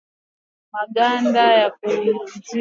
Kwa kutunza virutubisho chemsha viazi na maganda